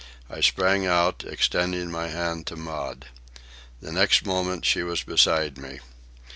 I sprang out, extending my hand to Maud. The next moment she was beside me.